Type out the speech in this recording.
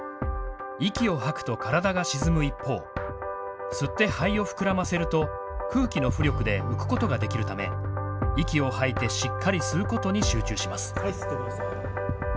息を吐くと体が沈む一方、吸って肺を膨らませると空気の浮力で浮くことができるため、息を吐いてしっかり吸うことに集中します。